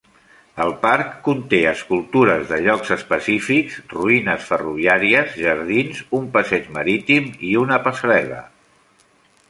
El parc conté escultures de llocs específics, ruïnes ferroviàries, jardins, un passeig marítim i una passarel·la.